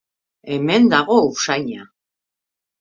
Hemen dago usaina!